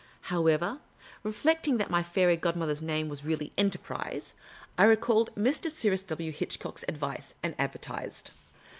However, reflecting that my fairy godmother's name was really Enterprise, I re called Mr. Cyrus W. Hitchcock's advice, and advertised.